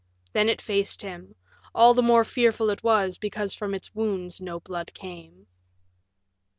Then it faced him; all the more fearful it was because from its wounds no blood came.